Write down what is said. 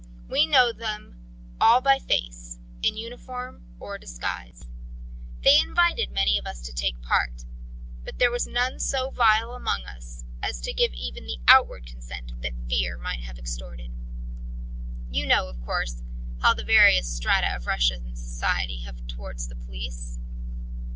We know them all by face, in uniform or disguise. They invited many of us to take part; but there was none so vile among us as to give even the outward consent that fear might have extorted. "You know, of course, how the various strata of Russian society behave towards the police?